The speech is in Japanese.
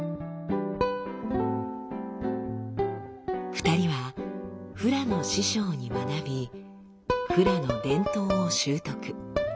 ２人はフラの師匠に学びフラの伝統を習得。